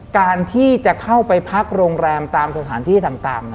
การที่จะเข้าไปพักโรงแรมตามสถานที่ต่าง